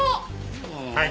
はい。